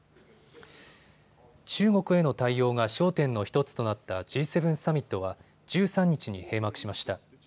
中国への対応が焦点の１つとなったＧ７サミットは１３日に閉幕しました。